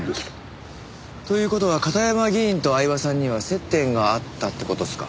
という事は片山議員と饗庭さんには接点があったって事っすか？